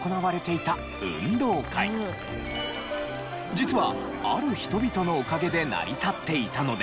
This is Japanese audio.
実はある人々のおかげで成り立っていたのです。